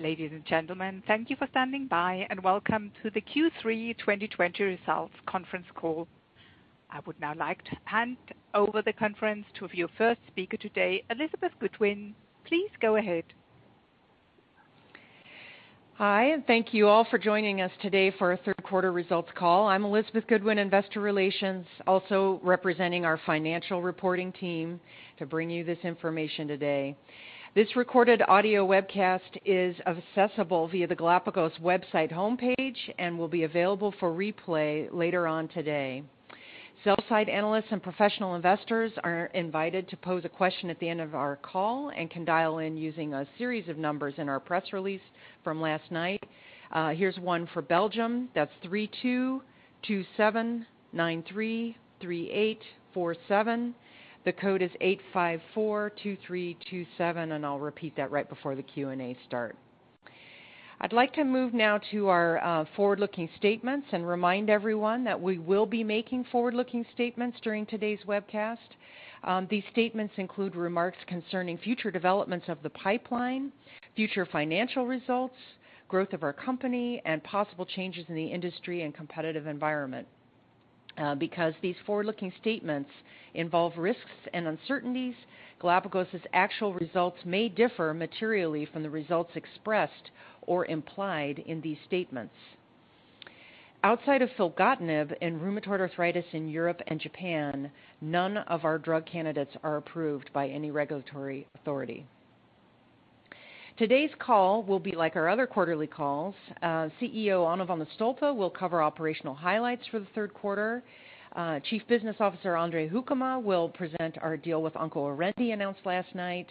Ladies and gentlemen, thank you for standing by, and welcome to the Q3 2020 Results Conference Call. I would now like to hand over the conference to your first speaker today, Elizabeth Goodwin. Please go ahead. Hi, thank you all for joining us today for our third quarter results call. I'm Elizabeth Goodwin, investor relations, also representing our financial reporting team to bring you this information today. This recorded audio webcast is accessible via the Galapagos website homepage and will be available for replay later on today. Sell-side analysts and professional investors are invited to pose a question at the end of our call and can dial in using a series of numbers in our press release from last night. Here's one for Belgium. That's 3227933847. The code is 8542327, and I'll repeat that right before the Q&A start. I'd like to move now to our forward-looking statements and remind everyone that we will be making forward-looking statements during today's webcast. These statements include remarks concerning future developments of the pipeline, future financial results, growth of our company, and possible changes in the industry and competitive environment. Because these forward-looking statements involve risks and uncertainties, Galapagos' actual results may differ materially from the results expressed or implied in these statements. Outside of filgotinib and rheumatoid arthritis in Europe and Japan, none of our drug candidates are approved by any regulatory authority. Today's call will be like our other quarterly calls. CEO Onno van de Stolpe will cover operational highlights for the third quarter. Chief Business Officer Andre Hoekema will present our deal with OncoArendi announced last night.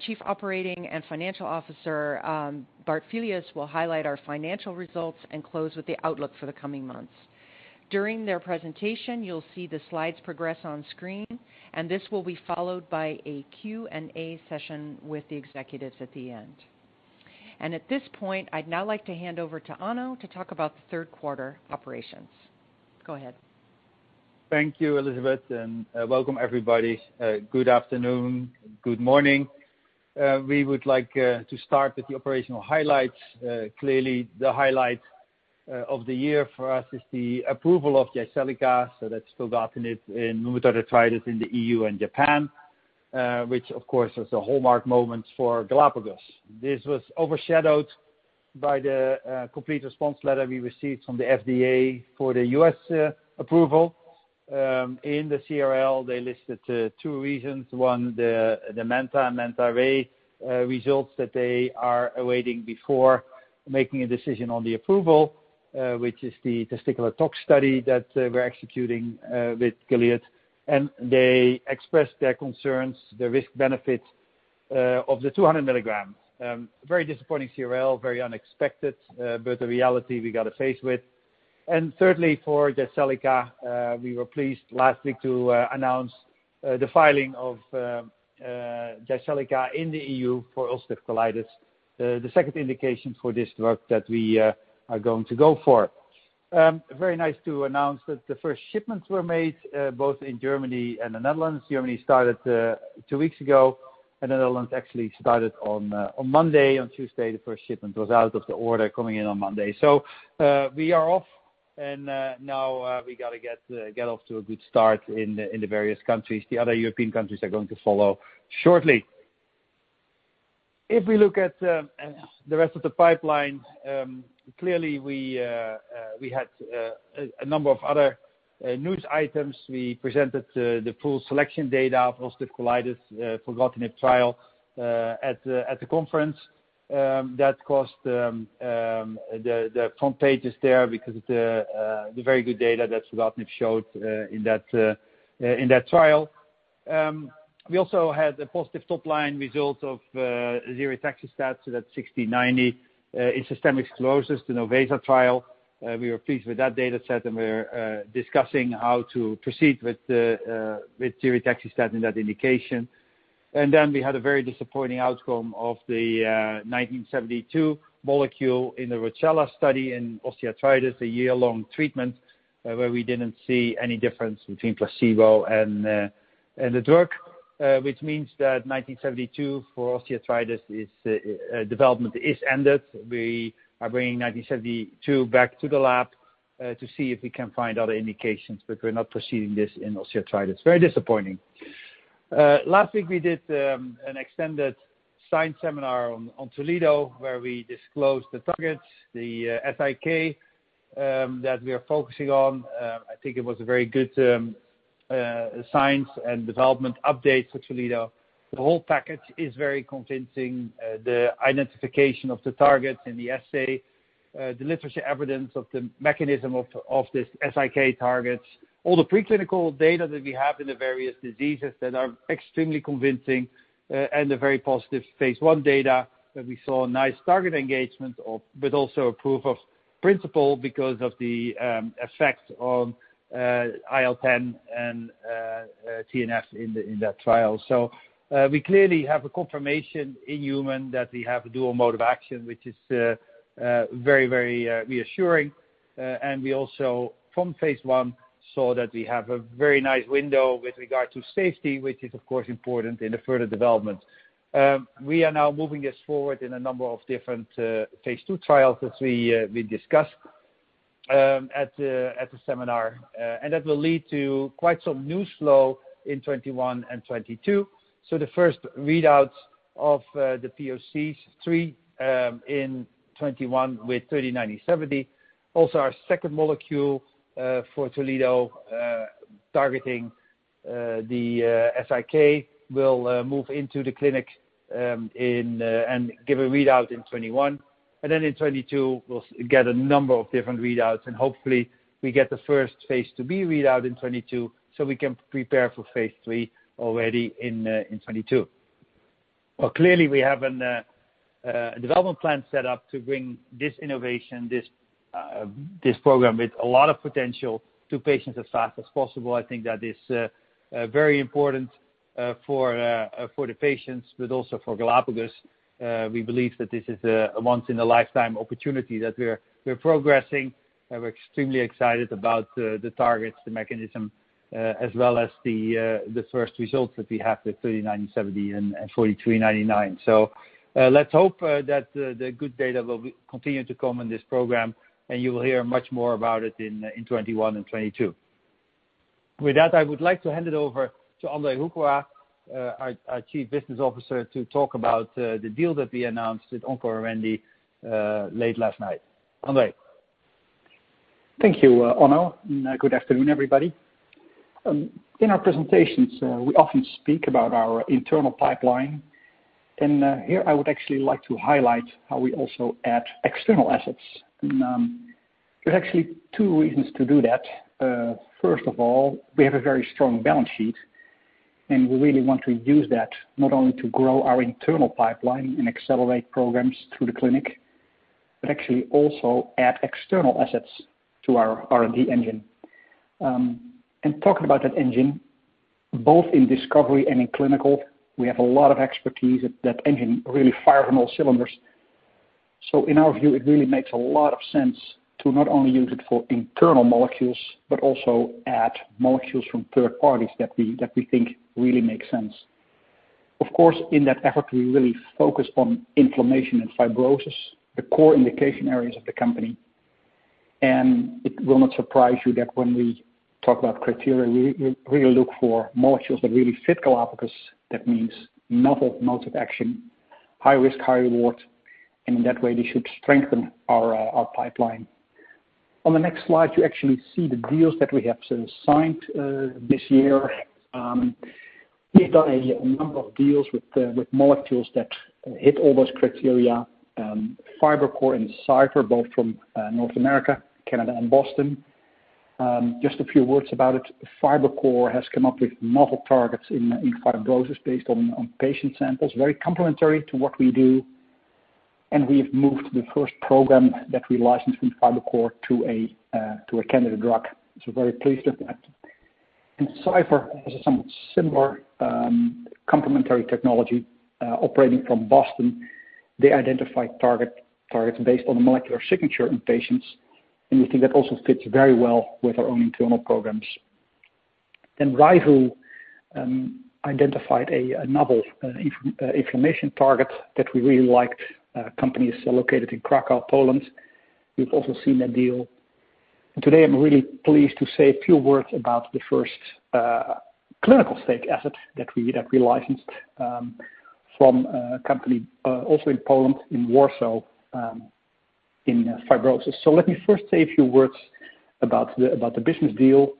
Chief Operating and Financial Officer Bart Filius will highlight our financial results and close with the outlook for the coming months. During their presentation, you'll see the slides progress on screen, this will be followed by a Q&A session with the executives at the end. At this point, I'd now like to hand over to Onno to talk about the third quarter operations. Go ahead. Thank you, Elizabeth, and welcome, everybody. Good afternoon, good morning. We would like to start with the operational highlights. Clearly, the highlight of the year for us is the approval of Jyseleca, so that is filgotinib in rheumatoid arthritis in the EU and Japan, which, of course, is a hallmark moment for Galapagos. This was overshadowed by the complete response letter we received from the FDA for the U.S. approval. In the CRL, they listed two reasons. One, the MANTA and MANTA-RAy results that they are awaiting before making a decision on the approval, which is the testicular tox study that we are executing with Gilead. They expressed their concerns, the risk/benefit of the 200 mg. Very disappointing CRL, very unexpected, a reality we got to face with. Thirdly, for Jyseleca, we were pleased last week to announce the filing of Jyseleca in the EU for ulcerative colitis, the second indication for this drug that we are going to go for. Very nice to announce that the first shipments were made both in Germany and the Netherlands. Germany started two weeks ago, and Netherlands actually started on Monday. On Tuesday, the first shipment was out of the order coming in on Monday. We are off and now we got to get off to a good start in the various countries. The other European countries are going to follow shortly. If we look at the rest of the pipeline, clearly we had a number of other news items. We presented the full SELECTION data of ulcerative colitis filgotinib trial at the conference. That caused the front pages there because of the very good data that filgotinib showed in that trial. We also had a positive top-line result of ziritaxestat, so that's GLPG1690 in systemic sclerosis, the NOVESA trial. We were pleased with that data set and we're discussing how to proceed with ziritaxestat in that indication. We had a very disappointing outcome of the GLPG1972 molecule in the ROCCELLA study in osteoarthritis, a year-long treatment where we didn't see any difference between placebo and the drug, which means that GLPG1972 for osteoarthritis development is ended. We are bringing GLPG1972 back to the lab to see if we can find other indications, but we're not proceeding this in osteoarthritis. Very disappointing. Last week we did an extended science seminar on Toledo where we disclosed the targets, the SIK that we are focusing on. I think it was a very good science and development update for Toledo. The whole package is very convincing. The identification of the targets and the assay, the literature evidence of the mechanism of these SIK targets, all the preclinical data that we have in the various diseases that are extremely convincing and a very positive phase I data that we saw a nice target engagement, but also a proof of principle because of the effect on IL-10 and TNF in that trial. We clearly have a confirmation in human that we have a dual mode of action, which is very reassuring. We also, from phase I, saw that we have a very nice window with regard to safety, which is, of course, important in the further development. We are now moving this forward in a number of different phase II trials that we discussed at the seminar. That will lead to quite some news flow in 2021 and 2022. The first readouts of the POCs, three in 2021 with GLPG3970. Our second molecule for Toledo, targeting the SIK, will move into the clinic and give a readout in 2021. Then in 2022, we'll get a number of different readouts, and hopefully we get the first phase II-B readout in 2022, so we can prepare for phase III already in 2022. Clearly, we have a development plan set up to bring this innovation, this program with a lot of potential to patients as fast as possible. I think that is very important for the patients, but also for Galapagos. We believe that this is a once in a lifetime opportunity that we're progressing, and we're extremely excited about the targets, the mechanism, as well as the first results that we have with GLPG3970 and GLPG4399. Let's hope that the good data will continue to come in this program, and you will hear much more about it in 2021 and 2022. With that, I would like to hand it over to Andre Hoekema, our Chief Business Officer, to talk about the deal that we announced with OncoArendi late last night. Andre. Thank you, Onno, and good afternoon, everybody. In our presentations, we often speak about our internal pipeline. Here I would actually like to highlight how we also add external assets. There's actually two reasons to do that. First of all, we have a very strong balance sheet. We really want to use that not only to grow our internal pipeline and accelerate programs through the clinic, but actually also add external assets to our R&D engine. Talking about that engine, both in discovery and in clinical, we have a lot of expertise. That engine really firing on all cylinders. In our view, it really makes a lot of sense to not only use it for internal molecules, but also add molecules from third parties that we think really make sense. Of course, in that effort, we really focus on inflammation and fibrosis, the core indication areas of the company. It will not surprise you that when we talk about criteria, we really look for molecules that really fit Galapagos. That means novel modes of action, high risk, high reward, and in that way, they should strengthen our pipeline. On the next slide, you actually see the deals that we have signed this year. We've done a number of deals with molecules that hit all those criteria. Fibrocor and Scipher, both from North America, Canada, and Boston. Just a few words about it. Fibrocor has come up with novel targets in fibrosis based on patient samples, very complementary to what we do, and we've moved the first program that we licensed from Fibrocor to a candidate drug. Very pleased with that. Scipher has a somewhat similar complementary technology, operating from Boston. They identify targets based on the molecular signature in patients, and we think that also fits very well with our own internal programs. Ryvu identified a novel inflammation target that we really liked. Company is located in Kraków, Poland. We've also seen that deal. Today I'm really pleased to say a few words about the first clinical-stage asset that we licensed from a company also in Poland, in Warsaw, in fibrosis. Let me first say a few words about the business deal.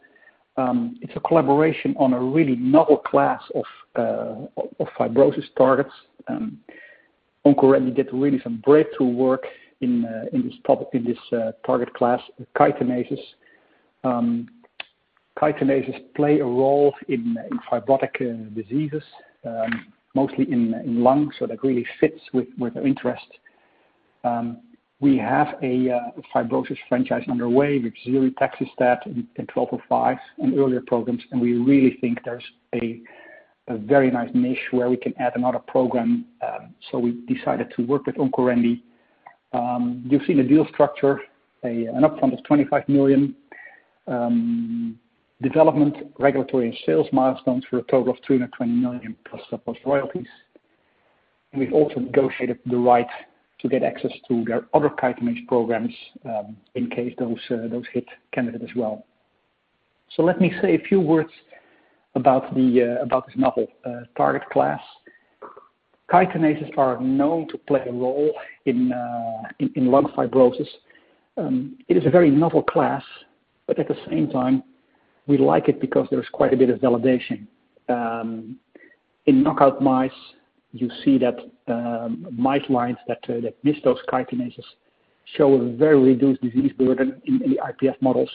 It's a collaboration on a really novel class of fibrosis targets. OncoArendi did really some breakthrough work in this target class, chitinases. Chitinases play a role in fibrotic diseases, mostly in lungs, so that really fits with our interest. We have a fibrosis franchise underway with ziritaxestat and GLPG1205 and earlier programs. We really think there's a very nice niche where we can add another program. We decided to work with OncoArendi. You've seen the deal structure, an upfront of 25 million, development, regulatory, and sales milestones for a total of 320 million plus royalties. We've also negotiated the right to get access to their other chitinase programs in case those hit candidate as well. Let me say a few words about this novel target class. Chitinases are known to play a role in lung fibrosis. It is a very novel class. At the same time, we like it because there is quite a bit of validation. In knockout mice, you see that mice lines that miss those chitinases show a very reduced disease burden in the IPF models.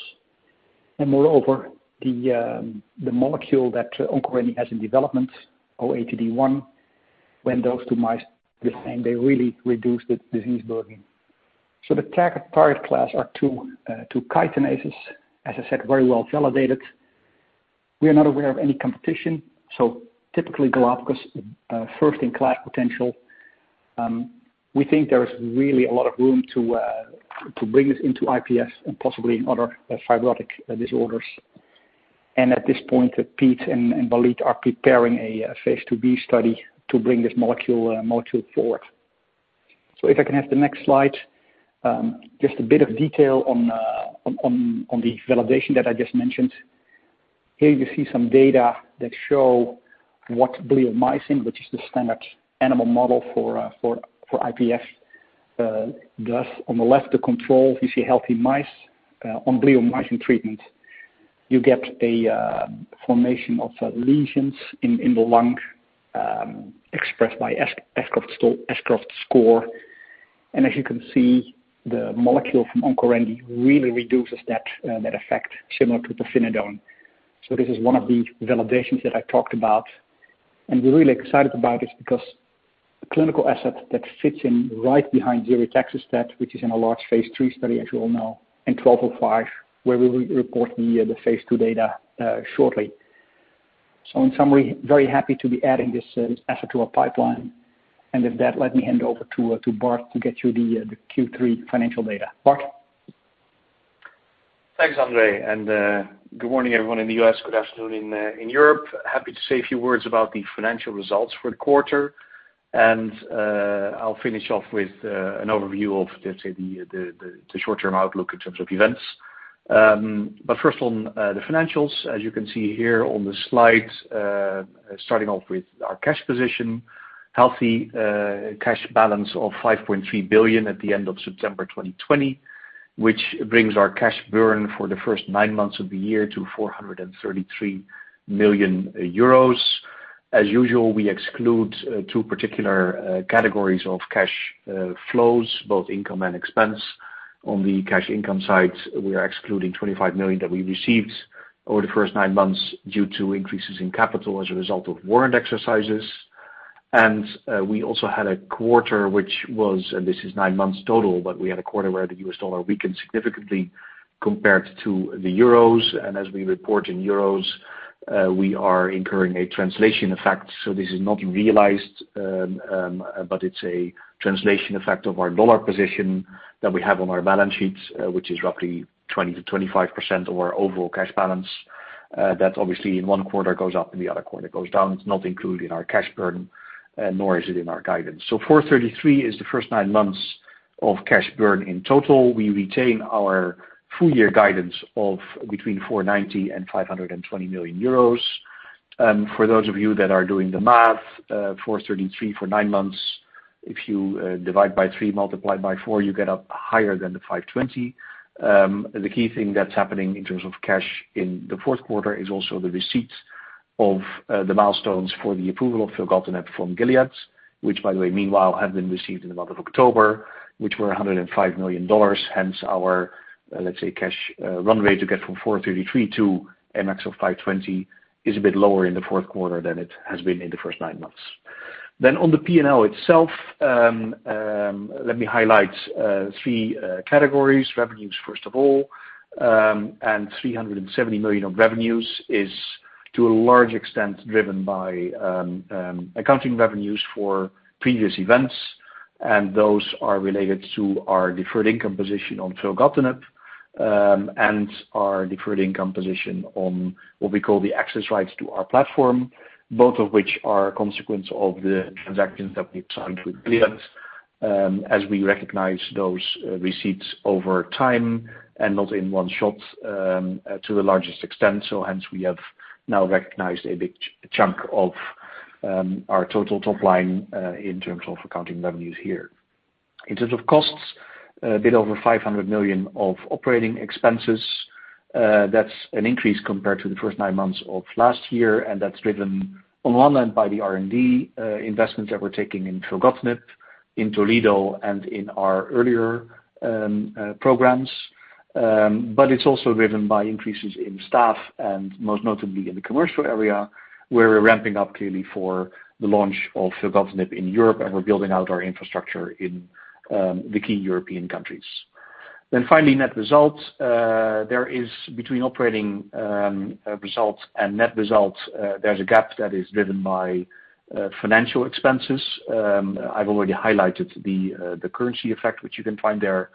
Moreover, the molecule that OncoArendi has in development, OATD-01, when dosed to mice, the same, they really reduce the disease burden. The target class are two chitinases, as I said, very well validated. We are not aware of any competition, typically Galapagos, first in class potential. We think there is really a lot of room to bring this into IPF and possibly in other fibrotic disorders. At this point, Piet and Walid are preparing a phase II-B study to bring this molecule forward. If I can have the next slide. Just a bit of detail on the validation that I just mentioned. Here you see some data that show what bleomycin, which is the standard animal model for IPF does. On the left, the control, you see healthy mice. On bleomycin treatment, you get a formation of lesions in the lung, expressed by Ashcroft score. As you can see, the molecule from OncoArendi really reduces that effect similar to pirfenidone. This is one of the validations that I talked about, and we're really excited about this because a clinical asset that fits in right behind ziritaxestat, which is in a large phase III study, as you all know, and GLPG1205, where we will report the phase II data shortly. In summary, very happy to be adding this asset to our pipeline. With that, let me hand over to Bart to get you the Q3 financial data. Bart? Thanks, Andre. Good morning everyone in the U.S., good afternoon in Europe. Happy to say a few words about the financial results for the quarter. I'll finish off with an overview of the short-term outlook in terms of events. First on the financials. As you can see here on the slide, starting off with our cash position. Healthy cash balance of 5.3 billion at the end of September 2020, which brings our cash burn for the first nine months of the year to 433 million euros. As usual, we exclude two particular categories of cash flows, both income and expense. On the cash income side, we are excluding 25 million that we received over the first nine months due to increases in capital as a result of warrant exercises. We also had a quarter which was, and this is nine months total, but we had a quarter where the US dollar weakened significantly compared to the euros. As we report in euros, we are incurring a translation effect. This is not realized, but it's a translation effect of our dollar position that we have on our balance sheets, which is roughly 20%-25% of our overall cash balance. That obviously in one quarter goes up and the other quarter it goes down. It's not included in our cash burn, nor is it in our guidance. 433 million is the first nine months of cash burn in total. We retain our full year guidance of between 490 million and 520 million euros. For those of you that are doing the math, 433 million for nine months, if you divide by three, multiply by four, you get up higher than 520 million. The key thing that's happening in terms of cash in the fourth quarter is also the receipts of the milestones for the approval of filgotinib from Gilead, which by the way, meanwhile, have been received in the month of October, which were $105 million. Our, let's say, cash runway to get from 433 million to a max of 520 million is a bit lower in the fourth quarter than it has been in the first nine months. On the P&L itself, let me highlight three categories. Revenues, first of all. 370 million of revenues is to a large extent driven by accounting revenues for previous events, and those are related to our deferred income position on filgotinib, and our deferred income position on what we call the access rights to our platform. Both of which are a consequence of the transactions that we've signed with Gilead, as we recognize those receipts over time and not in one shot to the largest extent. Hence we have now recognized a big chunk of our total top line in terms of accounting revenues here. In terms of costs, a bit over 500 million of operating expenses. That's an increase compared to the first nine months of last year, and that's driven on one end by the R&D investments that we're taking in filgotinib, in Toledo, and in our earlier programs. It's also driven by increases in staff and most notably in the commercial area, where we're ramping up clearly for the launch of filgotinib in Europe and we're building out our infrastructure in the key European countries. Finally, net results. There is between operating results and net results, there's a gap that is driven by financial expenses. I've already highlighted the currency effect which you can find there.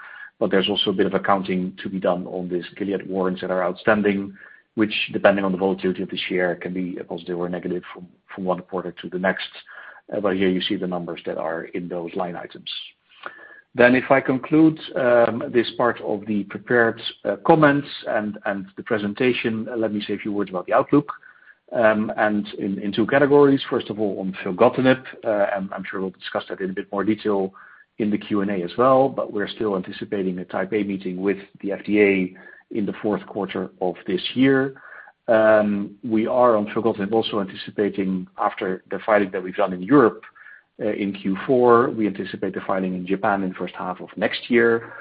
There's also a bit of accounting to be done on these Gilead warrants that are outstanding, which depending on the volatility of the share, can be a positive or a negative from one quarter to the next. Here you see the numbers that are in those line items. If I conclude this part of the prepared comments and the presentation, let me say a few words about the outlook. In two categories. First of all, on filgotinib, and I'm sure we'll discuss that in a bit more detail in the Q&A as well, but we're still anticipating a Type A meeting with the FDA in the fourth quarter of this year. We are on filgotinib, also anticipating after the filing that we've done in Europe in Q4, we anticipate the filing in Japan in the first half of next year.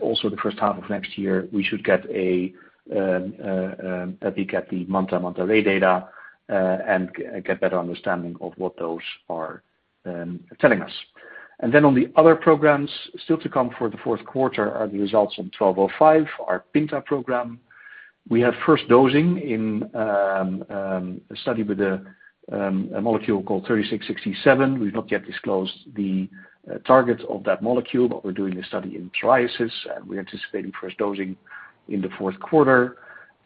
Also, the first half of next year, we should get a peek at the MANTA and MANTA-RAy data, and get better understanding of what those are telling us. Then on the other programs still to come for the fourth quarter are the results on GLPG1205, our PINTA program. We have first dosing in a study with a molecule called GLPG3667. We've not yet disclosed the target of that molecule, but we're doing a study in psoriasis, and we're anticipating first dosing in the fourth quarter.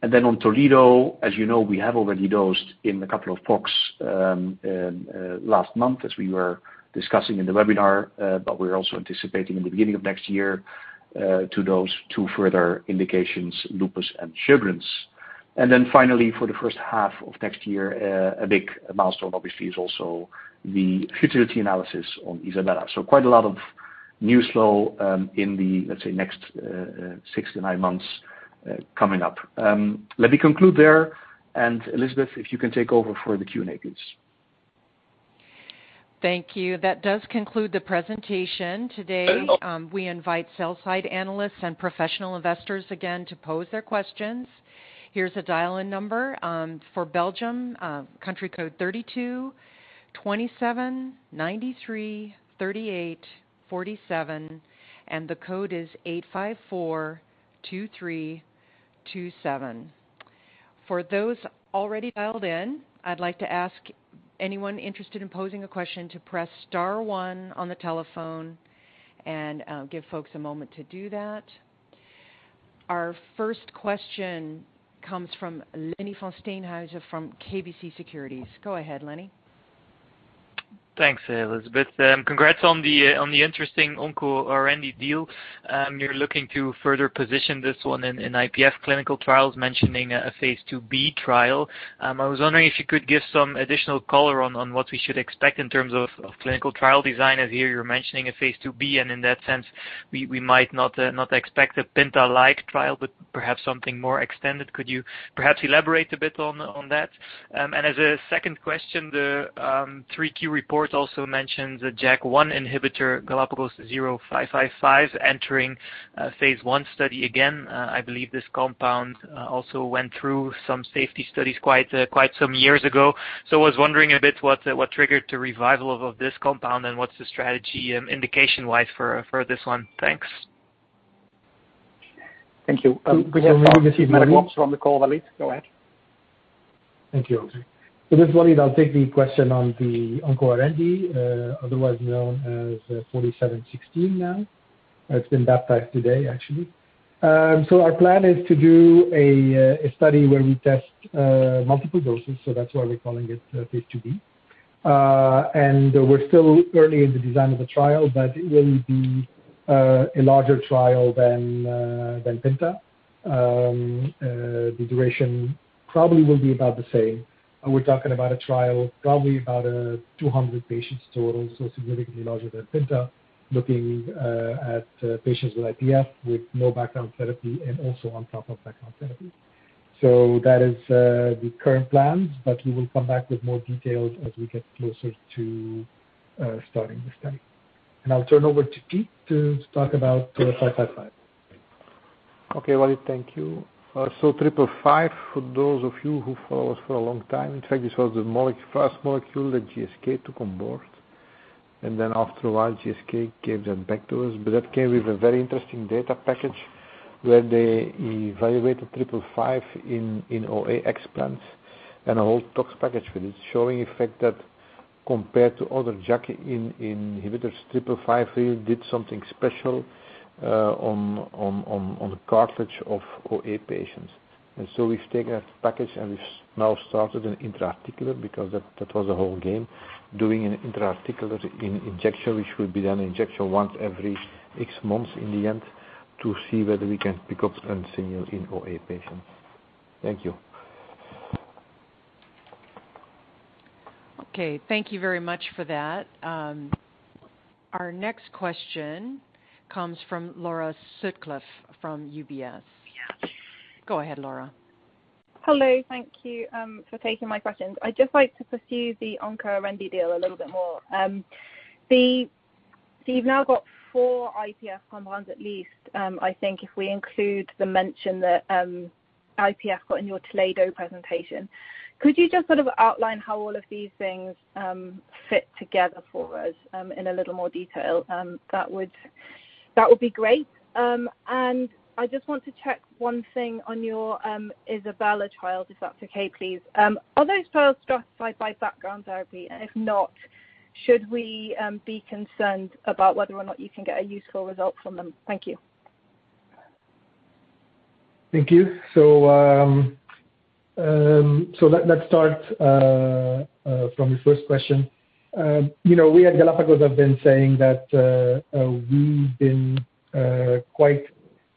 On Toledo, as you know, we have already dosed in a couple of POCs last month as we were discussing in the webinar. We're also anticipating in the beginning of next year to dose two further indications lupus and Sjögren's,. Finally, for the first half of next year, a big milestone obviously is also the futility analysis on ISABELA. Quite a lot of news flow in the, let's say, next six to nine months coming up. Let me conclude there, and Elizabeth, if you can take over for the Q&A, please. Thank you. That does conclude the presentation today. We invite sell-side analysts and professional investors again to pose their questions. Here is the dial-in number for Belgium country code 3227933847, and the code is 8542327. For those already dialed in, I'd like to ask anyone interested in posing a question to press star one on the telephone and give folks a moment to do that. Our first question comes from Lenny Van Steenhuyse from KBC Securities. Go ahead, Lenny. Thanks, Elizabeth. Congrats on the interesting OncoArendi deal. You're looking to further position this one in IPF clinical trials, mentioning a phase II-B trial. I was wondering if you could give some additional color on what we should expect in terms of clinical trial design. I hear you're mentioning a phase II-B, and in that sense, we might not expect a PINTA-like trial, but perhaps something more extended. Could you perhaps elaborate a bit on that? As a second question, the 3Q report also mentions a JAK1 inhibitor, GLPG0555, entering a phase I study again. I believe this compound also went through some safety studies quite some years ago. I was wondering a bit what triggered the revival of this compound, and what's the strategy indication-wise for this one? Thanks. Thank you. We have Dr. Walid from the call available. Go ahead. Thank you, Andre. It is Walid. I'll take the question on the OncoArendi, otherwise known as GLPG4716 now. It's been baptized today, actually. Our plan is to do a study where we test multiple doses, so that's why we're calling it phase II-B. We're still early in the design of the trial, but it will be a larger trial than PINTA. The duration probably will be about the same. We're talking about a trial, probably about 200 patients total, so significantly larger than PINTA, looking at patients with IPF with no background therapy and also on top of background therapy. That is the current plan, but we will come back with more details as we get closer to starting the study. I'll turn over to Piet to talk about the GLPG0555. Okay, Walid. Thank you. GLPG0555, for those of you who follow us for a long time, in fact, this was the first molecule that GSK took on board. After a while, GSK gave that back to us. That came with a very interesting data package where they evaluated GLPG0555 in OA explants and a whole tox package with it, showing, in fact, that compared to other JAK inhibitors, GLPG0555 really did something special on the cartilage of OA patients. We've taken that package, and we've now started an intra-articular, because that was the whole game. Doing an intra-articular injection, which will be an injection once every six months in the end, to see whether we can pick up any signal in OA patients. Thank you. Okay. Thank you very much for that. Our next question comes from Laura Sutcliffe from UBS. Go ahead, Laura. Hello. Thank you for taking my questions. I'd just like to pursue the OncoArendi deal a little bit more. You've now got four IPF compounds at least, I think, if we include the mention that IPF got in your Toledo presentation. Could you just sort of outline how all of these things fit together for us in a little more detail? That would be great. I just want to check one thing on your ISABELA trial, if that's okay, please. Are those trials stratified by background therapy? If not, should we be concerned about whether or not you can get a useful result from them? Thank you. Thank you. Let's start from the first question. We at Galapagos have been saying that we've been quite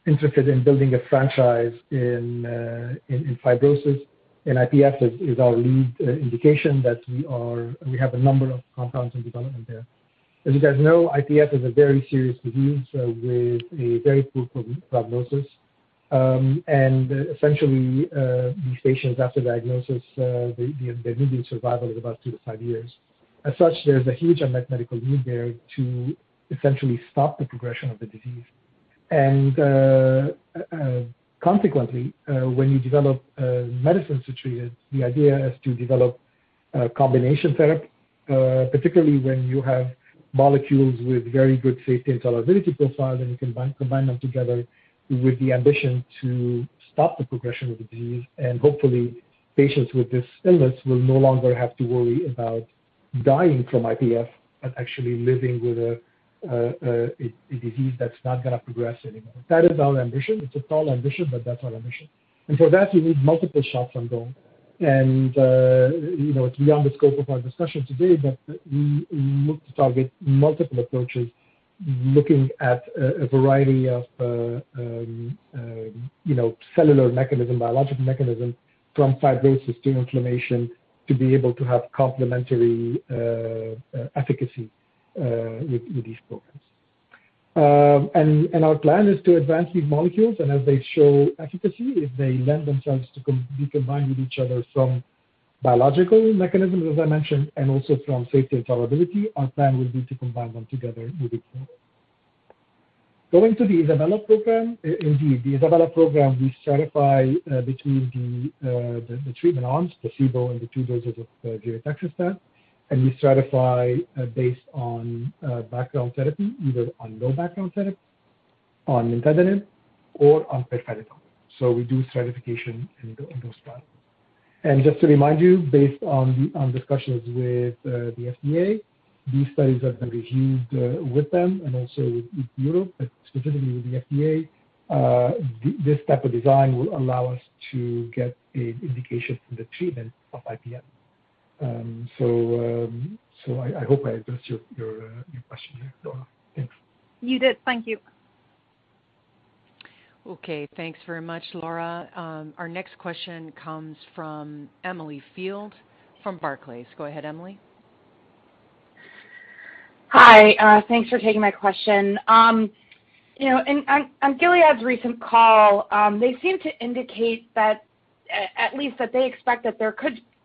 interested in building a franchise in fibrosis, and IPF is our lead indication that we have a number of compounds in development there. As you guys know, IPF is a very serious disease with a very poor prognosis. Essentially, these patients after diagnosis, their median survival is about two to five years. As such, there's a huge unmet medical need there to essentially stop the progression of the disease. Consequently, when you develop medicines to treat it, the idea is to develop a combination therapy, particularly when you have molecules with very good safety and tolerability profiles, and you combine them together with the ambition to stop the progression of the disease. Hopefully, patients with this illness will no longer have to worry about dying from IPF and actually living with a disease that's not going to progress anymore. That is our ambition. It's a tall ambition, but that's our ambition. For that, you need multiple shots on goal. It's beyond the scope of our discussion today, but we look to target multiple approaches, looking at a variety of cellular mechanism, biological mechanism, from fibrosis to inflammation, to be able to have complementary efficacy with these programs. Our plan is to advance these molecules, and as they show efficacy, if they lend themselves to be combined with each other from biological mechanisms, as I mentioned, and also from safety and tolerability, our plan will be to combine them together moving forward. Going to the ISABELA program. Indeed, the ISABELA program, we stratify between the treatment arms, placebo and the two doses of ziritaxestat. We stratify based on background therapy, either on no background therapy, on nintedanib, or on pirfenidone. We do stratification in those trials. Just to remind you, based on discussions with the FDA, these studies have been reviewed with them and also with Europe, but specifically with the FDA. This type of design will allow us to get an indication for the treatment of IPF. I hope I addressed your question there, Laura. Thanks. You did. Thank you. Okay. Thanks very much, Laura. Our next question comes from Emily Field from Barclays. Go ahead, Emily. Hi. Thanks for taking my question. On Gilead's recent call, they seemed to indicate at least that they expect that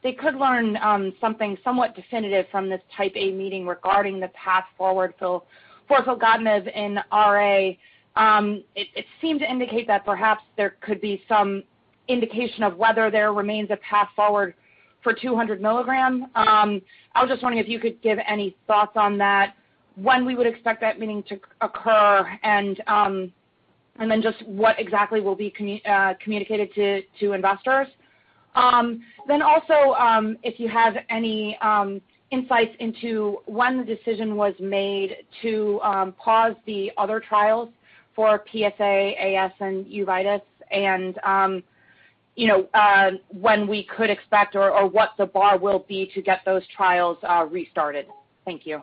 they could learn something somewhat definitive from this Type A meeting regarding the path forward for filgotinib in RA. It seemed to indicate that perhaps there could be some indication of whether there remains a path forward for 200 mg. I was just wondering if you could give any thoughts on that, when we would expect that meeting to occur, just what exactly will be communicated to investors. Also, if you have any insights into when the decision was made to pause the other trials for PsA, AS, and uveitis, and when we could expect or what the bar will be to get those trials restarted. Thank you.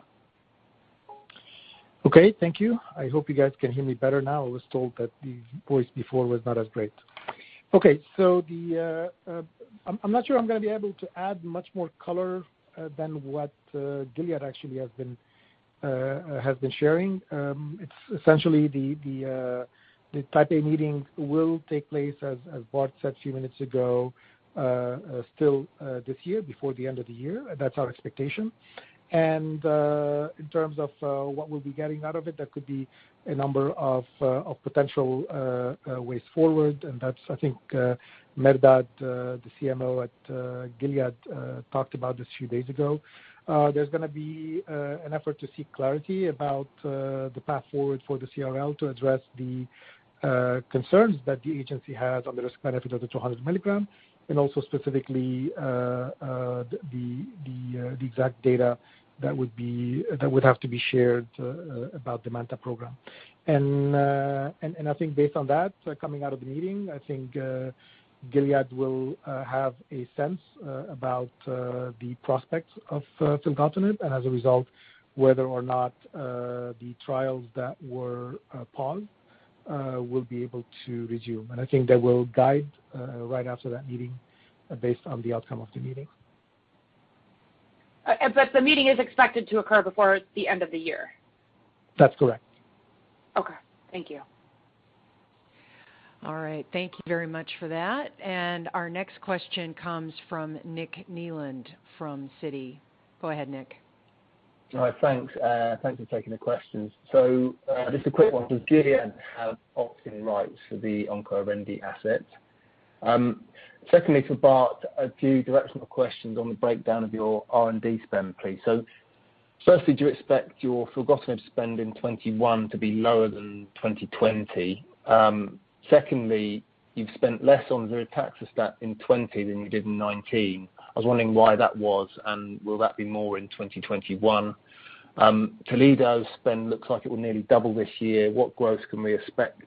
Thank you. I hope you guys can hear me better now. I was told that the voice before was not as great. I'm not sure I'm going to be able to add much more color than what Gilead actually has been sharing. Essentially, the Type A meeting will take place, as Bart said a few minutes ago, still this year, before the end of the year. That's our expectation. In terms of what we'll be getting out of it, that could be a number of potential ways forward. That, I think, Merdad, the CMO at Gilead, talked about this a few days ago. There's going to be an effort to seek clarity about the path forward for the CRL to address the concerns that the agency has on the risk-benefit of the 200 mg, and also specifically, the exact data that would have to be shared about the MANTA program. Based on that, coming out of the meeting, I think Gilead will have a sense about the prospects of filgotinib, and as a result, whether or not the trials that were paused will be able to resume. I think they will guide right after that meeting based on the outcome of the meeting. The meeting is expected to occur before the end of the year? That's correct. Okay. Thank you. All right. Thank you very much for that. Our next question comes from Nick Nieland from Citi. Go ahead, Nick. All right. Thanks for taking the questions. Just a quick one. Does Gilead have opt-in rights for the OncoArendi asset? Secondly, for Bart, a few directional questions on the breakdown of your R&D spend, please. Firstly, do you expect your filgotinib spend in 2021 to be lower than 2020? Secondly, you've spent less on ziritaxestat in 2020 than you did in 2019. I was wondering why that was, and will that be more in 2021? Toledo's spend looks like it will nearly double this year. What growth can we expect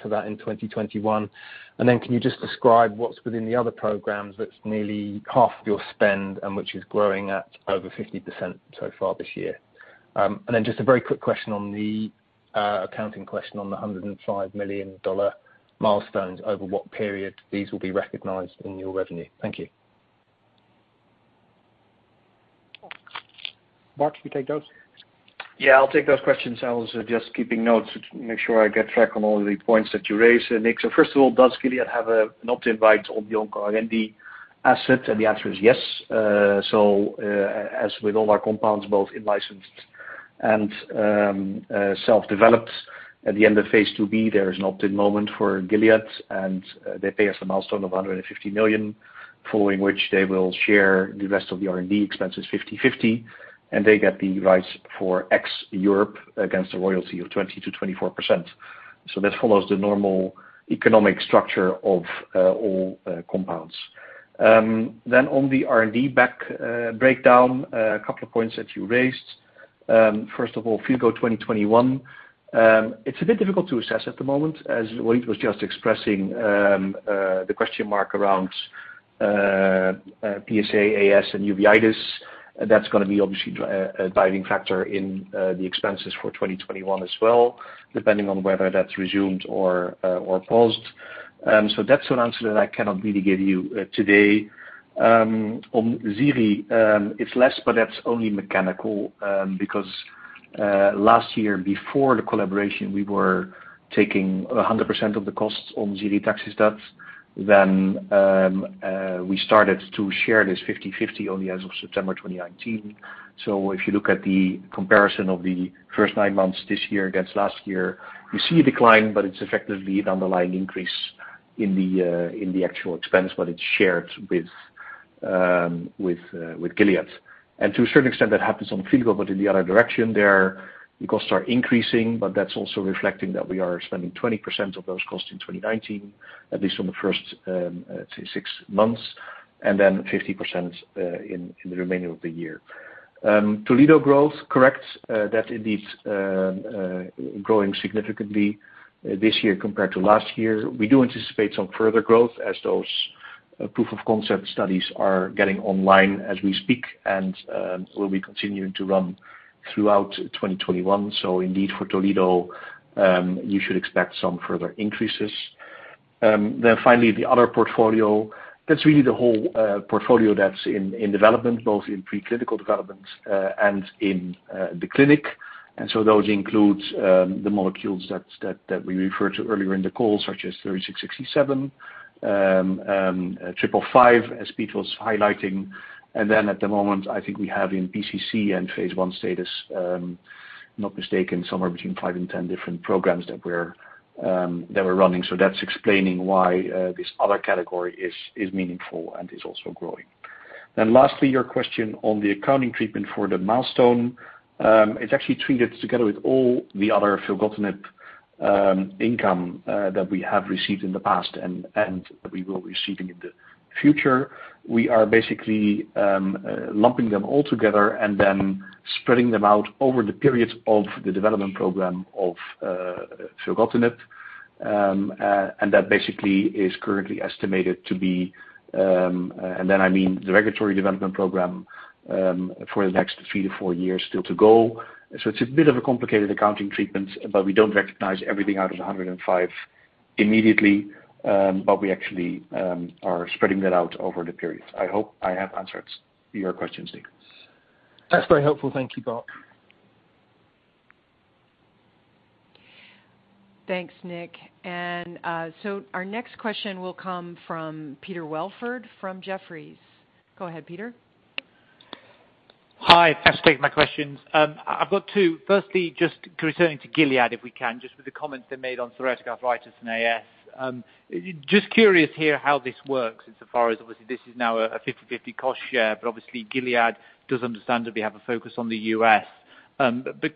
for that in 2021? Can you just describe what's within the other programs that's nearly half your spend and which is growing at over 50% so far this year? Just a very quick question on the accounting question on the $105 million milestones, over what period these will be recognized in your revenue. Thank you. Bart, you take those? Yeah, I'll take those questions. I was just keeping notes to make sure I keep track of all the points that you raised, Nick. First of all, does Gilead have an opt-in right on the OncoArendi asset? The answer is yes. As with all our compounds, both in-licensed and self-developed, at the end of phase II-B, there is an opt-in moment for Gilead, and they pay us a milestone of 150 million, following which they will share the rest of the R&D expenses 50/50, and they get the rights for ex-Europe against a royalty of 20%-24%. That follows the normal economic structure of all compounds. On the R&D breakdown, a couple of points that you raised. First of all, filgotinib 2021. It's a bit difficult to assess at the moment, as Walid was just expressing the question mark around psoriatic arthritis, ankylosing spondylitis, and uveitis. That's going to be obviously a driving factor in the expenses for 2021 as well, depending on whether that's resumed or paused. That's an answer that I cannot really give you today. On Ziri, it's less, but that's only mechanical, because last year before the collaboration, we were taking 100% of the costs on ziritaxestat. We started to share this 50/50 on the as of September 2019. If you look at the comparison of the first nine months this year against last year, you see a decline, but it's effectively an underlying increase in the actual expense, but it's shared with Gilead. To a certain extent, that happens on Filgo, but in the other direction, their costs are increasing, but that's also reflecting that we are spending 20% of those costs in 2019, at least on the first, say, six months, and then 50% in the remainder of the year. Toledo growth. Correct. That indeed is growing significantly this year compared to last year. We do anticipate some further growth as those proof of concept studies are getting online as we speak and will be continuing to run throughout 2021. Indeed, for Toledo, you should expect some further increases. Finally, the other portfolio. That's really the whole portfolio that's in development, both in preclinical development and in the clinic. Those include the molecules that we referred to earlier in the call, such as GLPG3667, GLPG0555, as Piet was highlighting. At the moment, I think we have in PCC and phase I status, if I'm not mistaken, somewhere between five and 10 different programs that we're running. That's explaining why this other category is meaningful and is also growing. Lastly, your question on the accounting treatment for the milestone. It's actually treated together with all the other filgotinib income that we have received in the past and that we will be receiving in the future. We are basically lumping them all together and spreading them out over the periods of the development program of filgotinib. That basically is currently estimated to be, I mean, the regulatory development program for the next three to four years still to go. It's a bit of a complicated accounting treatment, but we don't recognize everything out of $105 million immediately. We actually are spreading that out over the period. I hope I have answered your question, Nick. That's very helpful. Thank you, Bart. Thanks, Nick. Our next question will come from Peter Welford from Jefferies. Go ahead, Peter. Hi. Thanks for taking my questions. I've got two. Just returning to Gilead, if we can, just with the comments they made on psoriatic arthritis and AS. Just curious here how this works insofar as, obviously, this is now a 50/50 cost share, but obviously Gilead does understandably have a focus on the U.S.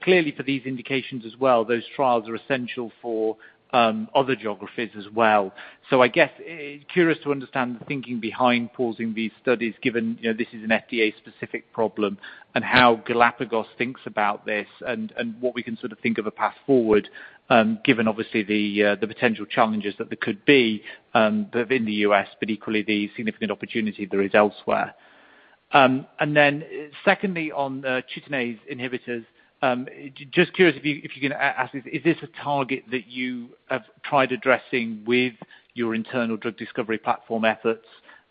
Clearly for these indications as well, those trials are essential for other geographies as well. I guess, curious to understand the thinking behind pausing these studies given this is an FDA specific problem and how Galapagos thinks about this and what we can sort of think of a path forward given obviously the potential challenges that there could be within the U.S., but equally the significant opportunity there is elsewhere. Secondly, on chitinase inhibitors, just curious if you can add, is this a target that you have tried addressing with your internal drug discovery platform efforts?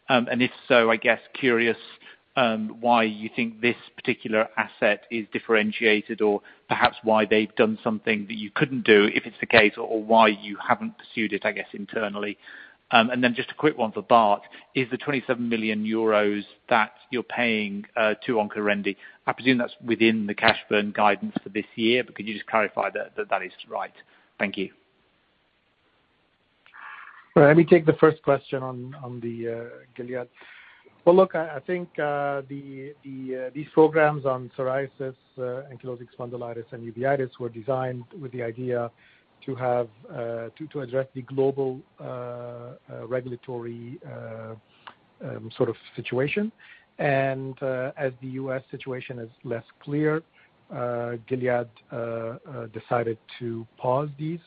If so, I guess curious why you think this particular asset is differentiated or perhaps why they've done something that you couldn't do, if it's the case, or why you haven't pursued it, I guess, internally. Just a quick one for Bart, is the 27 million euros that you're paying to OncoArendi, I presume that's within the cash burn guidance for this year, but could you just clarify that that is right? Thank you. Let me take the first question on the Gilead. Well, look, I think these programs on psoriasis, ankylosing spondylitis, and uveitis were designed with the idea to address the global regulatory sort of situation. As the U.S. situation is less clear, Gilead decided to pause these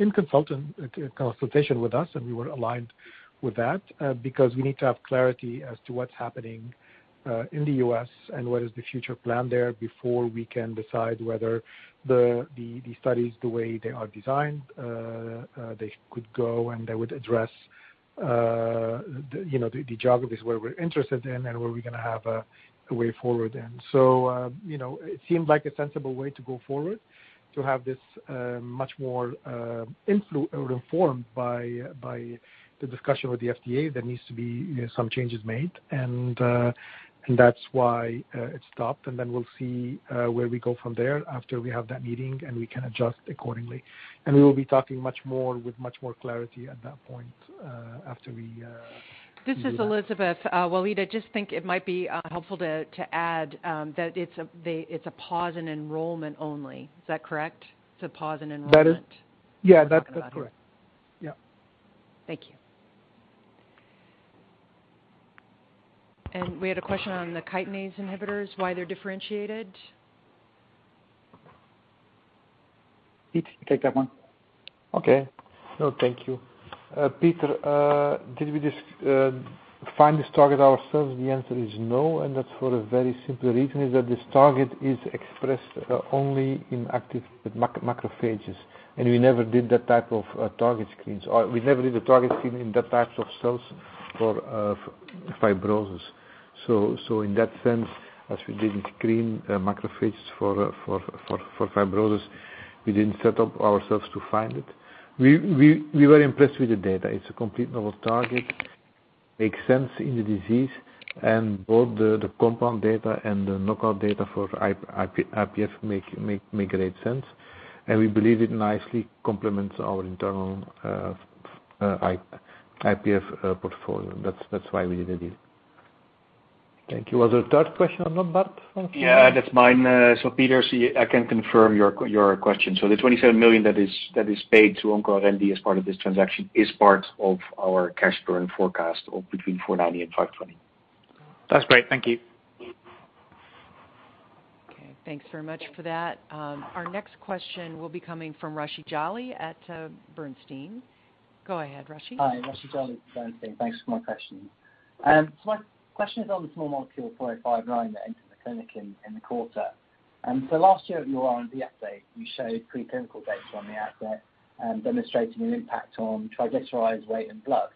in consultation with us. We were aligned with that because we need to have clarity as to what's happening in the U.S. and what is the future plan there before we can decide whether the studies, the way they are designed, they could go and they would address the geographies where we're interested in and where we're going to have a way forward in. It seemed like a sensible way to go forward to have this much more informed by the discussion with the FDA. There needs to be some changes made, and that's why it stopped. We'll see where we go from there after we have that meeting and we can adjust accordingly. We will be talking much more with much more clarity at that point after we do that. This is Elizabeth. Walid, I just think it might be helpful to add that it's a pause in enrollment only. Is that correct? It's a pause in enrollment. That is. Yeah, that's correct. Yeah. Thank you. We had a question on the chitinase inhibitors, why they're differentiated. Piet, take that one. Okay. No, thank you. Peter, did we find this target ourselves? The answer is no, and that's for a very simple reason, is that this target is expressed only in active macrophages, and we never did that type of target screens, or we never did a target screen in that type of cells for fibrosis. In that sense, as we didn't screen macrophages for fibrosis, we didn't set up ourselves to find it. We were impressed with the data. It's a complete novel target, makes sense in the disease, and both the compound data and the knockout data for IPF make great sense. We believe it nicely complements our internal IPF portfolio. That's why we did the deal. Thank you. Was there a third question or not, Bart? Yeah, that's mine. Peter, see, I can confirm your question. The 27 million that is paid to OncoArendi as part of this transaction is part of our cash burn forecast of between 490 million and 520 million. That's great. Thank you. Okay. Thanks very much for that. Our next question will be coming from Rushee Jolly at Bernstein. Go ahead, Rushee. Hi, Rushee Jolly, Bernstein. Thanks for my question. My question is on the small molecule GLPG4059 that entered the clinic in the quarter. Last year at your R&D update, you showed preclinical data on the asset demonstrating an impact on triglycerides, weight, and blood,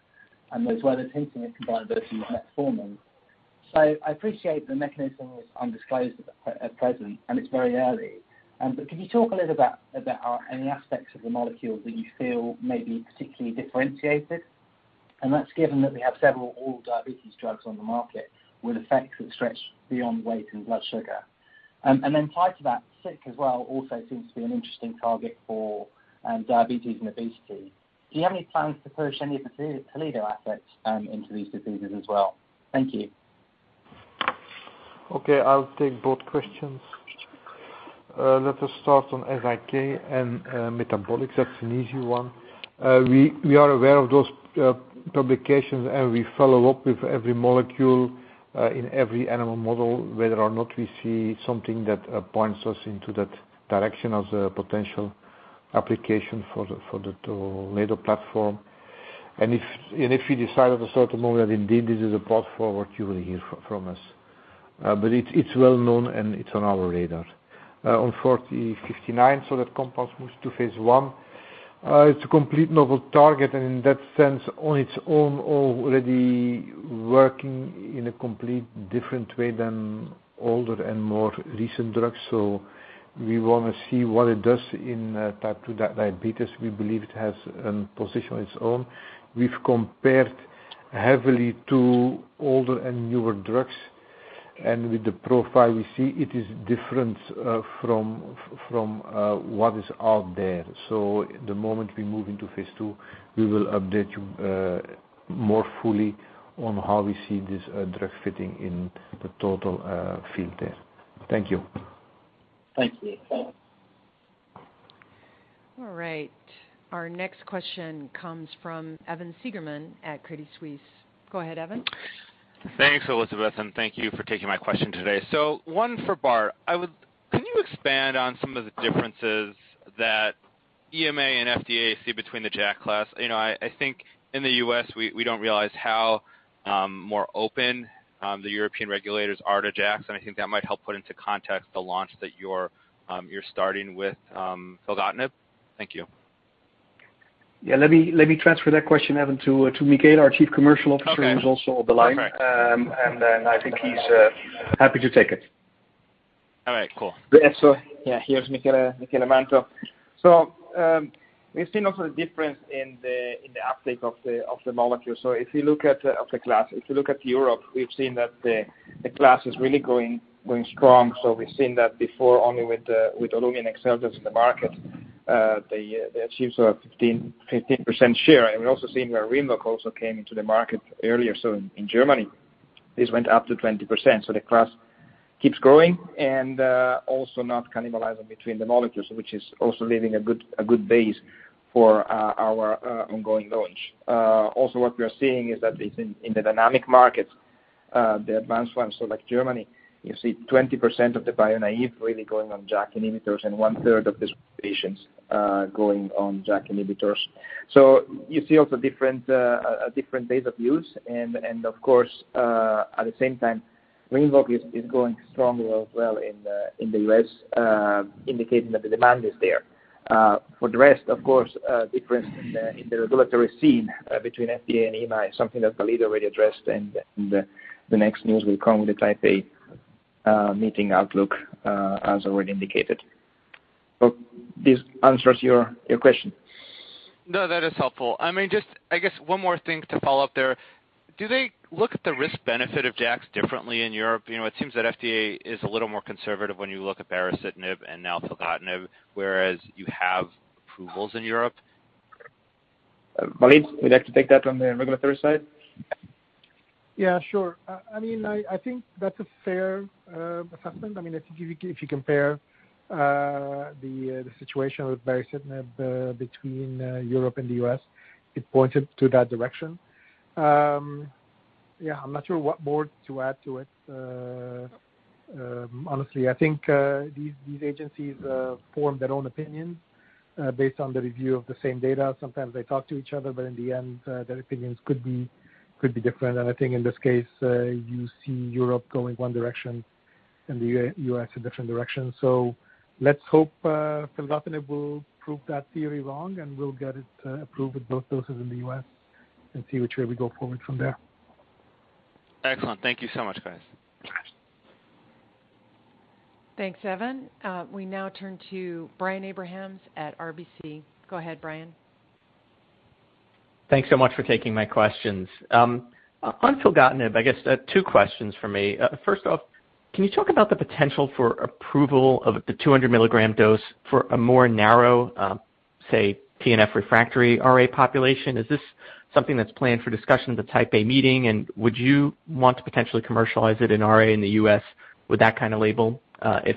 and as well as hinting at combinability with metformin. I appreciate the mechanism was undisclosed at present and it's very early. Could you talk a little about any aspects of the molecule that you feel may be particularly differentiated? That's given that we have several oral diabetes drugs on the market with effects that stretch beyond weight and blood sugar. Tied to that, SIK as well also seems to be an interesting target for diabetes and obesity. Do you have any plans to push any of the Toledo assets into these diseases as well? Thank you. Okay, I'll take both questions. Let us start on SIK and metabolic. That's an easy one. We are aware of those publications, and we follow up with every molecule, in every animal model, whether or not we see something that points us into that direction as a potential application for the Toledo platform. If we decide at a certain moment that indeed this is a path forward, you will hear from us. It's well-known, and it's on our radar. On GLPG4059, that compounds moves to phase I. It's a complete novel target, and in that sense, on its own, already working in a complete different way than older and more recent drugs. We want to see what it does in type 2 diabetes. We believe it has a position on its own. We've compared heavily to older and newer drugs, and with the profile we see, it is different from what is out there. The moment we move into phase II, we will update you more fully on how we see this drug fitting in the total field there. Thank you. Thank you. All right. Our next question comes from Evan Seigerman at Credit Suisse. Go ahead, Evan. Thanks, Elizabeth. Thank you for taking my question today. One for Bart. Can you expand on some of the differences that EMA and FDA see between the JAK class? I think in the U.S., we don't realize how more open the European regulators are to JAKs, and I think that might help put into context the launch that you're starting with filgotinib. Thank you. Yeah, let me transfer that question, Evan, to Michele, our Chief Commercial Officer- Okay. who's also on the line. Perfect. I think he's happy to take it. All right, cool. Here's Michele Manto. We've seen also the difference in the uptake of the molecule. If you look at, of the class, if you look at Europe, we've seen that the class is really growing strong. We've seen that before only with Olumiant and XELJANZ in the market. They achieved a 15% share. We're also seeing where Rinvoq also came into the market earlier. In Germany, this went up to 20%. The class keeps growing and also not cannibalizing between the molecules, which is also leaving a good base for our ongoing launch. What we are seeing is that at least in the dynamic markets, the advanced ones, so like Germany, you see 20% of the bio-naive really going on JAK inhibitors and one-third of these patients going on JAK inhibitors. You see also different base of use and, of course, at the same time, RINVOQ is growing strongly as well in the U.S., indicating that the demand is there. For the rest, of course, difference in the regulatory scene between FDA and EMA is something that Walid already addressed, and the next news will come with the Type A meeting outlook, as already indicated. Hope this answers your question. No, that is helpful. I guess one more thing to follow up there. Do they look at the risk-benefit of JAKs differently in Europe? It seems that FDA is a little more conservative when you look at baricitinib and now filgotinib, whereas you have approvals in Europe. Walid, would you like to take that on the regulatory side? Sure. I think that's a fair assessment. If you compare the situation with baricitinib between Europe and the U.S., it pointed to that direction. I'm not sure what more to add to it. Honestly, I think these agencies form their own opinions based on the review of the same data. Sometimes they talk to each other, but in the end, their opinions could be different. I think in this case, you see Europe going one direction and the U.S. a different direction. Let's hope filgotinib will prove that theory wrong, and we'll get it approved with both doses in the U.S. and see which way we go forward from there. Excellent. Thank you so much, guys. Thanks, Evan. We now turn to Brian Abrahams at RBC. Go ahead, Brian. Thanks so much for taking my questions. On filgotinib, I guess two questions for me. First off, can you talk about the potential for approval of the 200 mg dose for a more narrow, say, TNF refractory RA population? Is this something that's planned for discussion at the Type A meeting? Would you want to potentially commercialize it in RA in the U.S. with that kind of label, if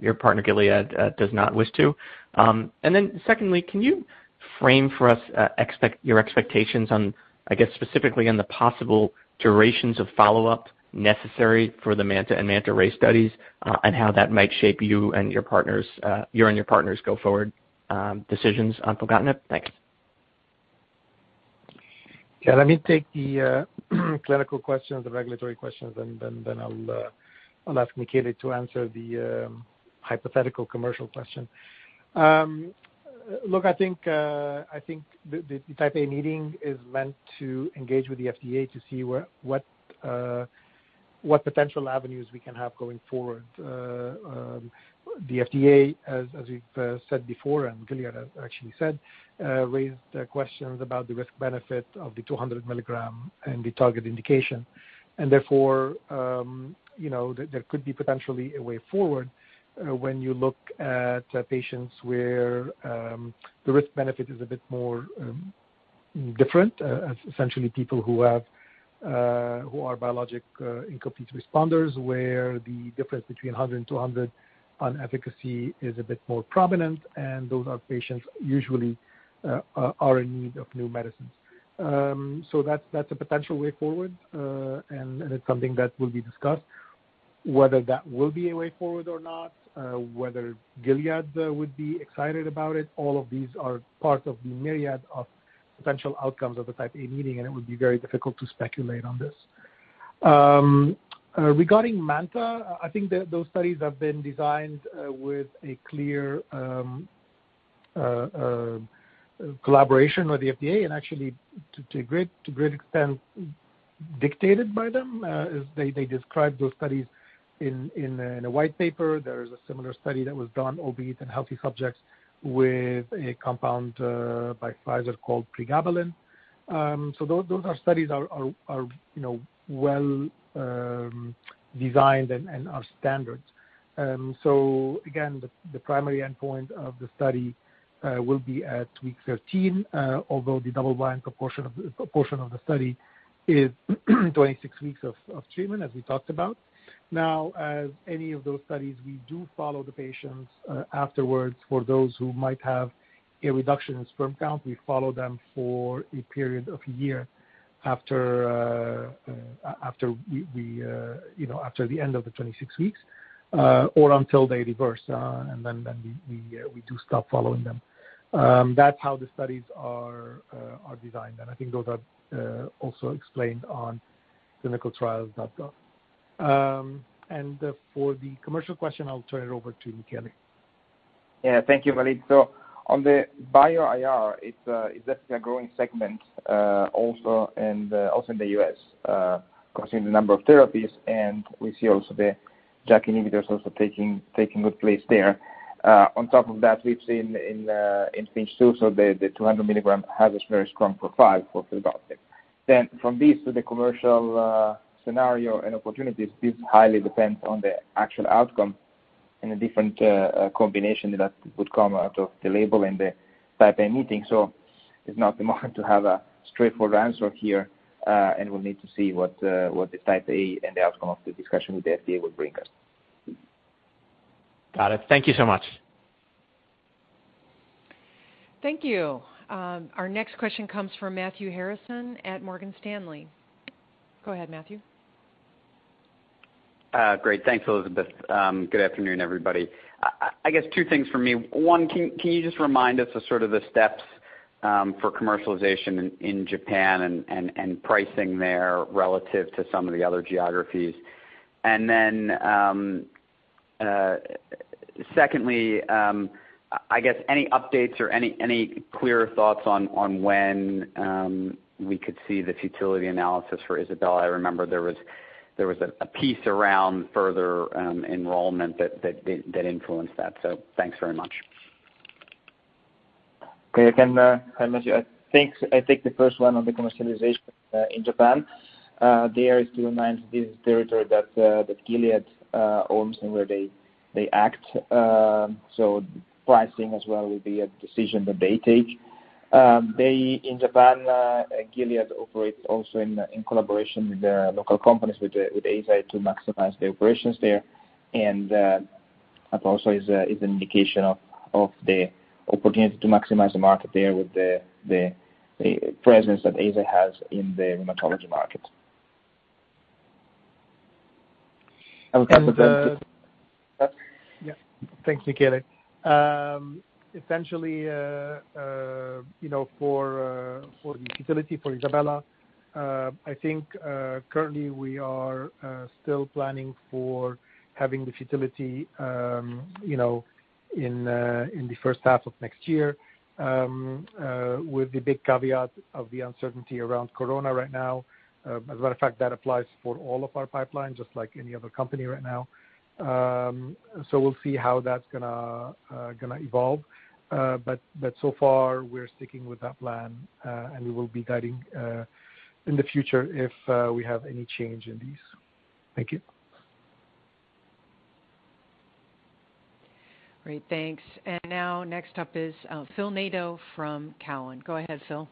your partner, Gilead, does not wish to? Secondly, can you frame for us your expectations on, I guess, specifically on the possible durations of follow-up necessary for the MANTA and MANTA-RAy studies, and how that might shape you and your partners go forward decisions on filgotinib? Thanks. Yeah, let me take the clinical questions, the regulatory questions, then I'll ask Michele to answer the hypothetical commercial question. Look, I think the Type A meeting is meant to engage with the FDA to see what potential avenues we can have going forward. The FDA, as we've said before, and Gilead actually said, raised questions about the risk-benefit of the 200 mg and the target indication. Therefore, there could be potentially a way forward when you look at patients where the risk-benefit is a bit more different, as essentially people who are biologic incomplete responders, where the difference between 100 mg and 200 mg on efficacy is a bit more prominent, and those are patients usually are in need of new medicines. That's a potential way forward, and it's something that will be discussed. Whether that will be a way forward or not, whether Gilead would be excited about it, all of these are part of the myriad of potential outcomes of the Type A meeting, and it would be very difficult to speculate on this. Regarding MANTA, I think those studies have been designed with a clear collaboration with the FDA and actually to a great extent, dictated by them, as they describe those studies in a white paper. There is a similar study that was done, obese and healthy subjects, with a compound by Pfizer called pregabalin. Those studies are well designed and are standard. Again, the primary endpoint of the study will be at week 13, although the double-blind proportion of the study is 26 weeks of treatment, as we talked about. Now, as any of those studies, we do follow the patients afterwards for those who might have a reduction in sperm count. We follow them for a period of a year after the end of the 26 weeks or until they reverse. We do stop following them. That's how the studies are designed. I think those are also explained on clinicaltrials.gov. For the commercial question, I'll turn it over to Michele. Thank you, Walid. On the bio-naive, it's definitely a growing segment also in the U.S. concerning the number of therapies, and we see also the JAK inhibitors also taking good place there. On top of that, we've seen in phase II, so the 200 mg has a very strong profile for filgotinib. From this to the commercial scenario and opportunities, this highly depends on the actual outcome and the different combination that would come out of the label and the Type A meeting. It's not the moment to have a straightforward answer here. We'll need to see what the Type A and the outcome of the discussion with the FDA will bring us. Got it. Thank you so much. Thank you. Our next question comes from Matthew Harrison at Morgan Stanley. Go ahead, Matthew. Great. Thanks, Elizabeth. Good afternoon, everybody. I guess two things for me. One, can you just remind us of sort of the steps for commercialization in Japan and pricing there relative to some of the other geographies? Secondly, I guess any updates or any clearer thoughts on when we could see the futility analysis for ISABELA? I remember there was a piece around further enrollment that influenced that. Thanks very much. Okay. Hi, Matthew. I take the first one on the commercialization in Japan. There is to remind this is territory that Gilead owns and where they act. Pricing as well will be a decision that they take. In Japan, Gilead operates also in collaboration with the local companies, with Eisai to maximize the operations there and that also is an indication of the opportunity to maximize the market there with the presence that Eisai has in the rheumatology market. I will pass it to- Yeah. Thanks, Michele. Essentially, for the futility for ISABELA, I think, currently we are still planning for having the futility in the first half of next year, with the big caveat of the uncertainty around COVID right now. As a matter of fact, that applies for all of our pipelines, just like any other company right now. We'll see how that's going to evolve. So far, we're sticking with that plan, and we will be guiding, in the future, if we have any change in these. Thank you. Great. Thanks. Now next up is Phil Nadeau from Cowen. Go ahead, Phil.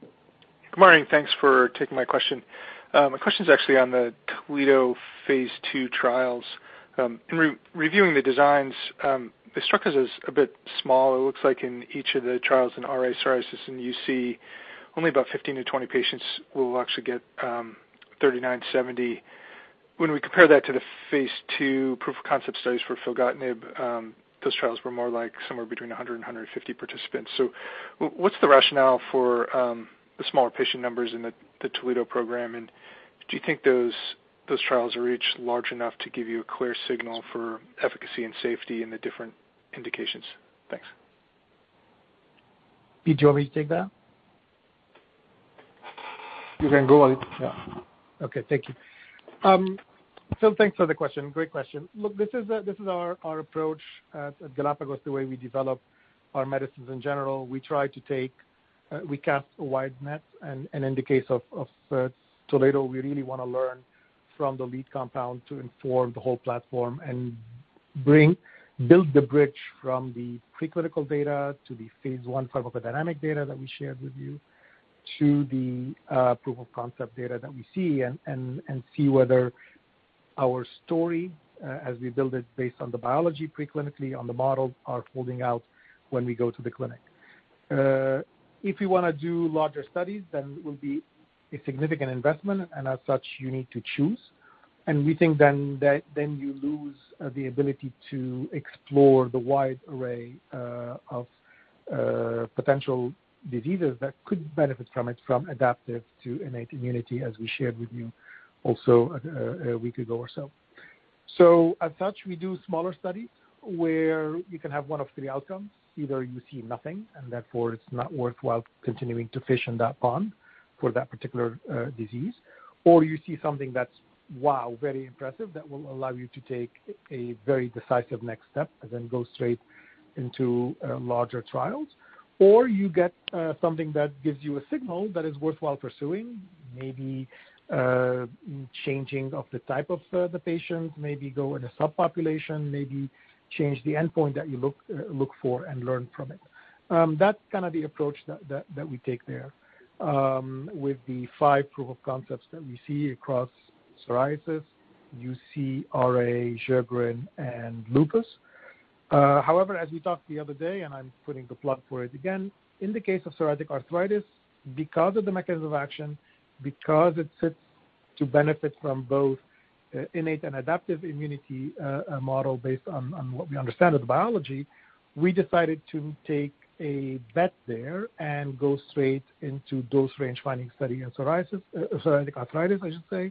Good morning. Thanks for taking my question. My question's actually on the Toledo phase II trials. In reviewing the designs, it struck us as a bit small. It looks like in each of the trials in RA, psoriasis, and UC, only about 15-20 patients will actually get GLPG3970. When we compare that to the phase II proof of concept studies for filgotinib, those trials were more like somewhere between 100-150 participants. What's the rationale for the smaller patient numbers in the Toledo program, and do you think those trials are each large enough to give you a clear signal for efficacy and safety in the different indications? Thanks. Piet, do you want me to take that? You can go on it. Okay. Thank you. Phil, thanks for the question. Great question. Look, this is our approach at Galapagos, the way we develop our medicines in general. We cast a wide net. In the case of Toledo, we really want to learn from the lead compound to inform the whole platform and build the bridge from the preclinical data to the phase I pharmacodynamic data that we shared with you to the proof of concept data that we see and see whether our story, as we build it based on the biology preclinically on the models, are holding out when we go to the clinic. If we want to do larger studies, then it will be a significant investment, and as such, you need to choose. We think then you lose the ability to explore the wide array of potential diseases that could benefit from it, from adaptive to innate immunity, as we shared with you also a week ago or so. As such, we do smaller studies where you can have one of three outcomes. Either you see nothing and therefore it is not worthwhile continuing to fish in that pond for that particular disease, or you see something that is, wow, very impressive, that will allow you to take a very decisive next step and then go straight into larger trials. You get something that gives you a signal that is worthwhile pursuing, maybe changing of the type of the patient, maybe go in a subpopulation, maybe change the endpoint that you look for and learn from it. That is kind of the approach that we take there. With the five proof of concepts that we see across psoriasis, UC, RA, Sjögren's, and lupus. As we talked the other day, and I'm putting the plot for it again, in the case of psoriatic arthritis, because of the mechanism of action, because it sits to benefit from both innate and adaptive immunity, a model based on what we understand of the biology, we decided to take a bet there and go straight into dose range-finding study in psoriasis, psoriatic arthritis, I should say,